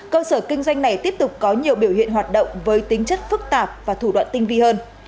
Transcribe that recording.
cơ sở kinh doanh này tiếp tục có nhiều biểu hiện hoạt động với tính chất phức tạp và thủ đoạn tinh vi hơn